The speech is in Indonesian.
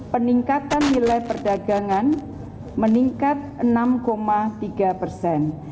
peningkatan nilai perdagangan meningkat enam tiga persen